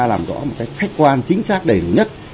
làm rõ một cái khách quan chính xác đầy nhất